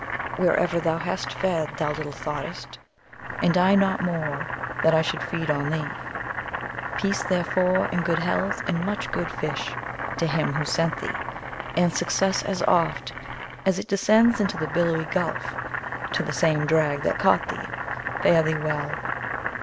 Wherever thou hast fed, thou little thought'st, And I not more, that I should feed on thee. Peace, therefore, and good health, and much good fish, To him who sent thee! and success, as oft As it descends into the billowy gulf, To the same drag that caught thee! Fare thee well!